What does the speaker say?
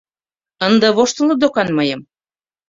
Ынде воштылыт докан мыйым...